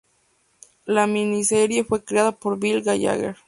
La miniserie fue creada por Bill Gallagher.